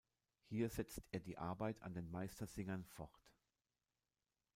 Hier setzt er die Arbeit an den "Meistersingern" fort.